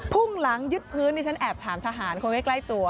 ่งหลังยึดพื้นที่ฉันแอบถามทหารคนใกล้ตัว